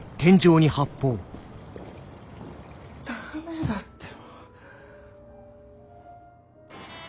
・ダメだって。